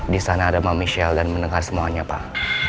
di sana ada mbak michelle dan mendengar semuanya pak